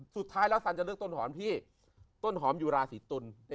สุดท้ายแล้วสันจะเลือกต้นหอมพี่ต้นหอมอยู่ราศีตุล